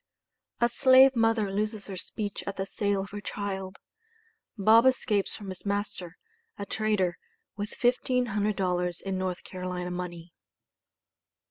A SLAVE MOTHER LOSES HER SPEECH AT THE SALE OF HER CHILD BOB ESCAPES FROM HIS MASTER, A TRADER, WITH $1500 IN NORTH CAROLINA MONEY.